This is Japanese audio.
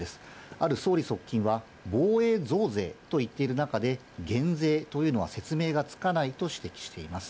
ある総理側近は、防衛増税といっている中で、減税というのは説明がつかないと指摘しています。